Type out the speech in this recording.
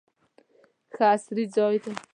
ښه عصري ځای دی.